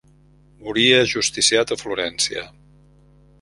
Morí ajusticiat a Florència.